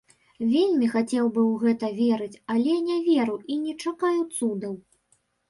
Вельмі хацеў бы ў гэта верыць, але не веру і не чакаю цудаў.